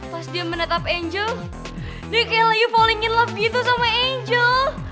pas dia menetap angel dia kayak lagi falling in love gitu sama angel